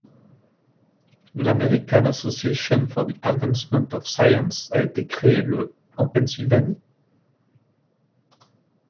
L'American Association for the Advancement of Science a été créée le en Pennsylvanie.